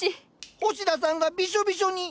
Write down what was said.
星田さんがビショビショに。